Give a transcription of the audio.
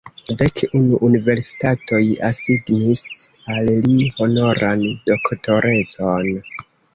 Dek unu universitatoj asignis al li honoran doktorecon.